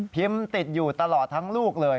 ติดอยู่ตลอดทั้งลูกเลย